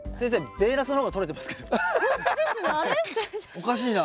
おかしいな？